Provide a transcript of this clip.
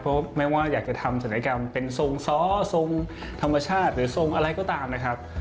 เพราะไม่ว่าอยากจะทำศัลยกรรมเป็นทรงซ้อทรงธรรมชาติหรือทรงอะไรก็ตามนะครับ